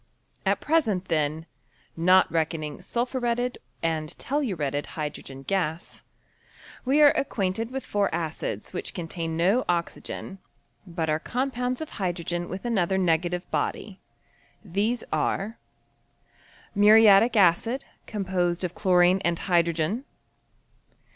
At present, then, (not reckoning sulphuretted and telluretted hydn^en gas), we are acquainted with four acids which con tain no oxygen, but are compounds of hydrogen with another negative body. These are Muriatic acid, composedofchlorineand hydrogen.